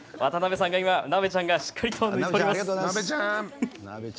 なべちゃんが今、しっかりとやっております。